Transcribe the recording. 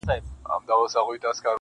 د نامحرمو دلالانو غدۍ،